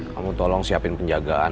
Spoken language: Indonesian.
kamu tolong siapin penjagaan